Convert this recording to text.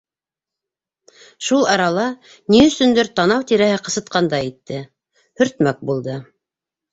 Шул арала ни өсөндөр танау тирәһе ҡысытҡандай итте. һөртмәк булды.